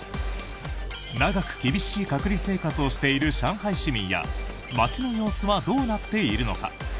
長く厳しい隔離生活をしている上海市民や街の様子はどうなっているのか？